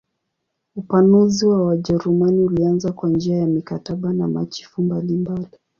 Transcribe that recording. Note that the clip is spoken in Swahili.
Upanuzi wa Wajerumani ulianza kwa njia ya mikataba na machifu mbalimbali.